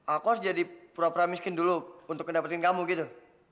aku harus jadi pura pura miskin dulu untuk dapetin kamu gitu